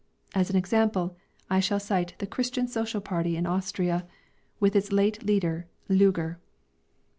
As an example, I shall cite the Christian Social Party in Austria, with its late leader, Lueger.